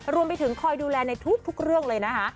รวมไปถึงคอยดูแลในทุกเรื่องเลยนะคะ